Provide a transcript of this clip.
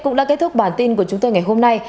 cũng đã kết thúc bản tin của chúng tôi ngày hôm nay